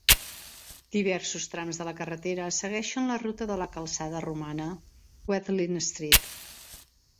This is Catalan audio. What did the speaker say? Diversos trams de la carretera segueixen la ruta de la calçada romana: Watling Street.